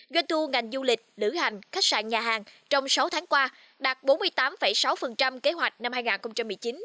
doanh thu ngành du lịch lữ hành khách sạn nhà hàng trong sáu tháng qua đạt bốn mươi tám sáu kế hoạch năm hai nghìn một mươi chín